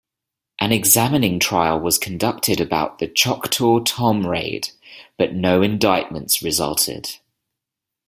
An examining trial was conducted about the Choctaw Tom raid, but no indictments resulted.